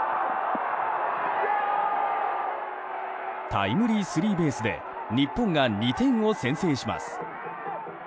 タイムリースリーベースで日本が２点を先制します。